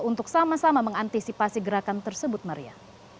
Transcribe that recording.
untuk sama sama mengantisipasi gerakan tersebut maria